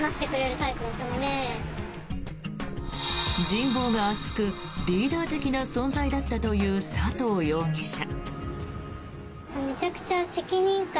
人望が厚くリーダー的な存在だったという佐藤容疑者。